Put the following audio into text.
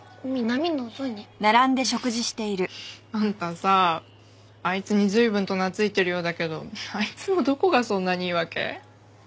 あんたさあいつに随分と懐いてるようだけどあいつのどこがそんなにいいわけ？